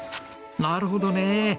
なるほどね。